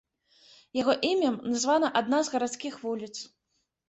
Яго імем названа адна з гарадскіх вуліц.